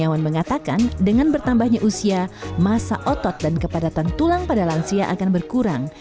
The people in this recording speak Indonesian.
iwan mengatakan dengan bertambahnya usia masa otot dan kepadatan tulang pada lansia akan berkurang